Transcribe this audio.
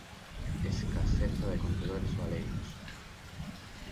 Escaseza de contedores baleiros.